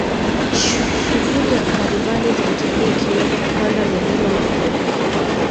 Shughuli mbalimbali za utalii ikiwemo kupanda milima na kuogelea